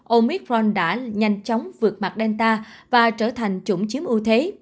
omicron đã nhanh chóng vượt mặt delta và trở thành chủng chiếm ưu thế